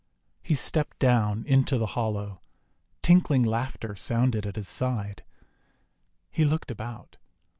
He stepped down into the hollow. Tinkling laughter sounded at his side. He looked about.